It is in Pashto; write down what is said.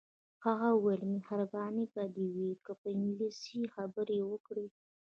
هغه وویل مهرباني به دې وي که په انګلیسي خبرې وکړې.